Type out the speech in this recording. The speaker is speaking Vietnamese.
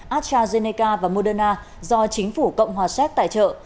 astrazeneca và moderna do chính phủ cộng hòa séc tài trợ